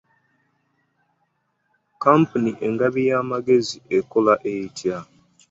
Kkampuni engabi y'amagezi ekola etya?